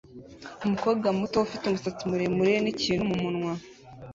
Umukobwa muto ufite umusatsi muremure n'ikintu mumunwa